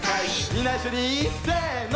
みんないっしょにせの！